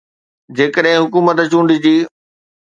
جيڪڏهن حڪومت چونڊجي.